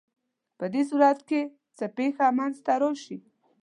په دې صورت کې څه پېښه منځ ته راشي؟